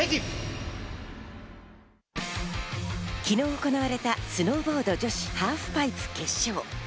昨日行われたスノーボード女子ハーフパイプ決勝。